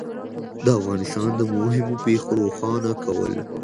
د افغانستان د مهمو پېښو روښانه کول